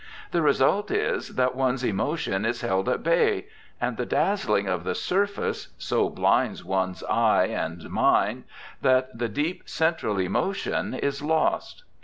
The result is that one's emotion is held at bay, and the dazzling of the surface so blinds one's eyes and mind, that the deep central emotion is lost.